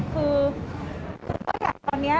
คือช่วยกันตอนนี้